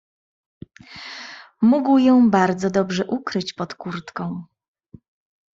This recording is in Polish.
"Mógł ją bardzo dobrze ukryć pod kurtką."